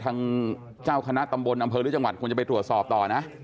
ทางเจ้าคณะตำบลอำเภอหรือจังหวัดควรจะไปตรวจสอบต่อนะ